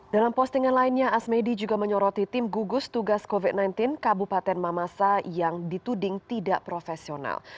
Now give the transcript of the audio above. dalam postingan lainnya asmedi juga menyoroti tim gugus tugas covid sembilan belas kabupaten mamasa yang dituding tidak profesional